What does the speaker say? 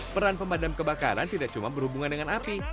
peran pemadam kebakaran tidak cuma berhubungan dengan api